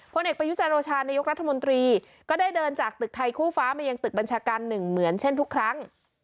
เอกประยุจันโอชานายกรัฐมนตรีก็ได้เดินจากตึกไทยคู่ฟ้ามายังตึกบัญชาการหนึ่งเหมือนเช่นทุกครั้ง